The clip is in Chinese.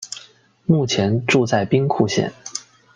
目前住在兵库县。